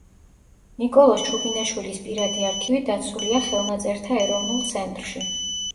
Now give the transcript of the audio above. ნიკოლოზ ჩუბინაშვილის პირადი არქივი დაცულია ხელნაწერთა ეროვნულ ცენტრში.